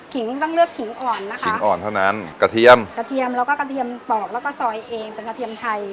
ต้องเลือกขิงอ่อนนะคะขิงอ่อนเท่านั้นกระเทียมกระเทียมแล้วก็กระเทียมปอกแล้วก็ซอยเองเป็นกระเทียมไทย